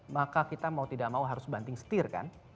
maka kita mau tidak mau harus banting setir kan